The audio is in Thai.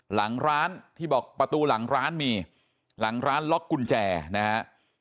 หลังร้านที่บอกประตูหลังร้านมีหลังร้านล็อกกุญแจนะฮะ